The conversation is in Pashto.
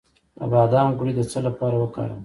د بادام غوړي د څه لپاره وکاروم؟